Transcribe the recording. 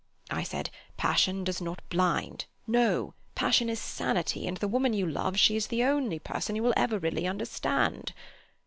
I said: 'Passion does not blind. No. Passion is sanity, and the woman you love, she is the only person you will ever really understand.